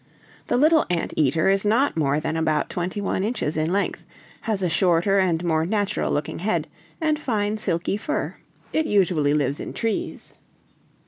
"The little ant eater is not more than about twenty one inches in length, has a shorter and more natural looking head, and fine silky fur. It usually lives in trees."